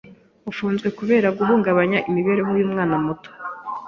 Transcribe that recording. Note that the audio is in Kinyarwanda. Ufunzwe kubera guhungabanya imibereho yumwana muto.